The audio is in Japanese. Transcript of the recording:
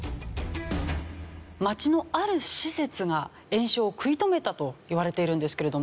街のある施設が延焼を食い止めたといわれているんですけれども。